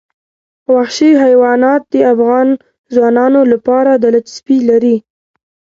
وحشي حیوانات د افغان ځوانانو لپاره دلچسپي لري.